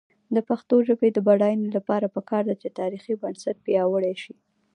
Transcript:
د پښتو ژبې د بډاینې لپاره پکار ده چې تاریخي بنسټ پیاوړی شي.